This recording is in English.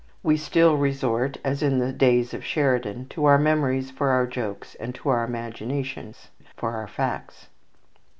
We still resort, as in the days of Sheridan, to our memories for our jokes, and to our imaginations for our facts.